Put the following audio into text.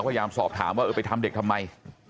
พยายามสอบถามว่าเออไปทำเด็กทำไม